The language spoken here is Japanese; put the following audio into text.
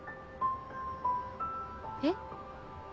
えっ？